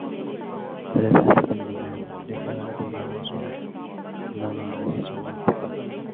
فَلَا تَحْسَبَنَّ اللَّهَ مُخْلِفَ وَعْدِهِ رُسُلَهُ إِنَّ اللَّهَ عَزِيزٌ ذُو انْتِقَامٍ